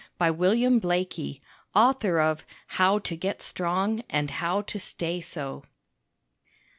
BY WILLIAM BLAIKIE, AUTHOR OF "HOW TO GET STRONG, AND HOW TO STAY SO."